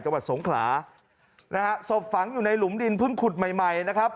จังหวัดสงขลานะฮะศพฝังอยู่ในหลุมดินเพิ่งขุดใหม่ใหม่นะครับ